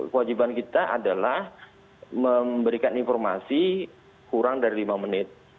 kewajiban kita adalah memberikan informasi kurang dari lima menit